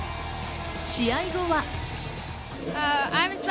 試合後は。